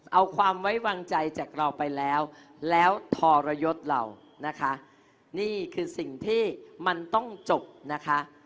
เอาความไว้วางใจจากเราไปแล้วแล้วทรยศเรานะคะนี่คือสิ่งที่มันต้องจบนะคะ